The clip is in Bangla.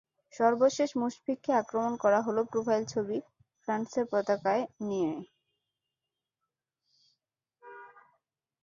সর্বশেষ মুশফিককে আক্রমণ করা হলো প্রোফাইল ছবি ফ্রান্সের পতাকায় রাঙানো নিয়ে।